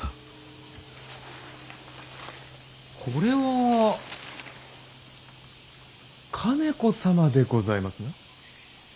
これは兼子様でございますな。